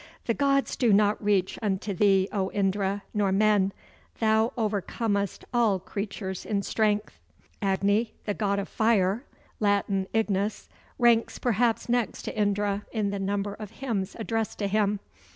"The gods do not reach unto thee, O Indra, nor men; thou overcomest all creatures in strength." Agni, the God of Fire (Latin ignis), ranks perhaps next to Indra in the number of hymns addressed to him.